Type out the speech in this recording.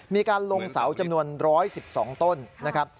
มีการลงเสาจำนวน๑๑๒ต้นนะครับ